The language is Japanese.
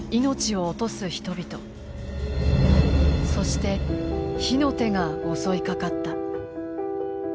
そして火の手が襲いかかった。